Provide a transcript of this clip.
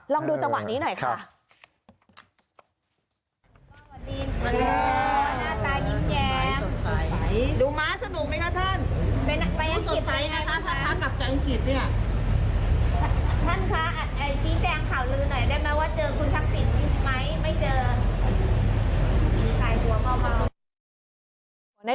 ลองดูจังหวะนี้หน่อยค่ะ